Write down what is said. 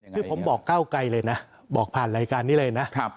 คือผมบอกก้าวไกลเลยนะบอกผ่านรายการนี้เลยนะ